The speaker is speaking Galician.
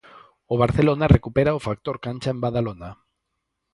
O Barcelona recupera o factor cancha en Badalona.